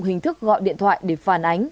hình thức gọi điện thoại để phản ánh